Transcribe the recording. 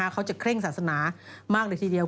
เคร่งศาสนามากเลยทีเดียว